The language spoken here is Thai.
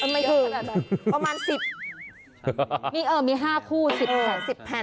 นี่เออมี๕คู่๑๐พัน